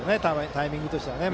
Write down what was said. タイミングとしてはね。